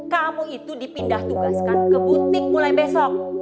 kamu itu dipindah tugaskan ke buting mulai besok